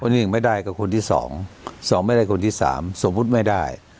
หนึ่งไม่ได้กับคนที่สองสองไม่ได้คนที่สามสมมุติไม่ได้